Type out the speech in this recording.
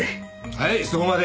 はいそこまで。